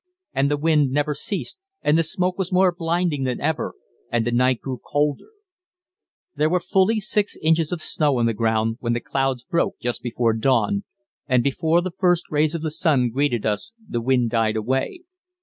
And the wind never ceased, and the smoke was more blinding than ever, and the night grew colder. There were fully six inches of snow on the ground when the clouds broke just before dawn, and before the first rays of the sun greeted us the wind died away.